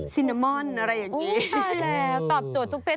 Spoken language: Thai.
สินามอนน์อะไรอย่างนี้